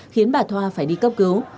khiến bà thoa phải đi cấp cứu